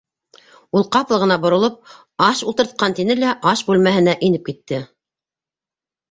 Ул, ҡапыл ғына боролоп: - Аш ултыртҡан, - тине лә аш бүлмәһенә инеп китте.